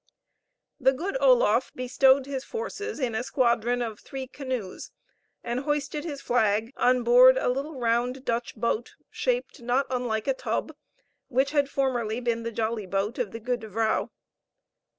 The good Oloffe bestowed his forces in a squadron of three canoes, and hoisted his flag on board a little round Dutch boat, shaped not unlike a tub, which had formerly been the jolly boat of the Goede Vrouw.